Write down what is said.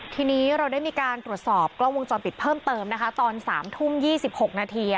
ทีนี้เราได้มีการตรวจสอบกล้องวงจรปิดเพิ่มเติมนะคะตอน๓ทุ่ม๒๖นาที